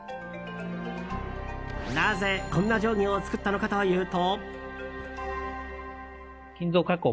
なぜ、こんな定規を作ったのかというと。